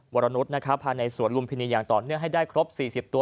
วรรณุฑหน้าครับภายในสวรรลุมภินียังตอนเนื่องให้ได้ครบ๔๐ตัว